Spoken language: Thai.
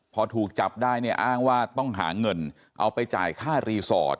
พอถูกจับได้เนี่ยอ้างว่าต้องหาเงินเอาไปจ่ายค่ารีสอร์ท